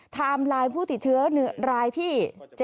เทียมไลน์ผู้ติเชื้อรายที่๗๑๓๐